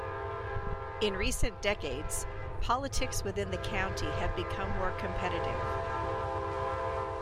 In recent decades, politics within the county have become more competitive.